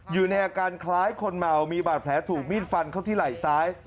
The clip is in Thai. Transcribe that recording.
อยู่ในอาการคล้ายคนเมามีบาดแผลถูกมีดฟันเข้าที่ไหล่ซ้าย